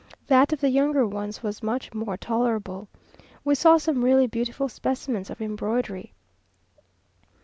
That of the younger ones was much more tolerable. We saw some really beautiful specimens of embroidery.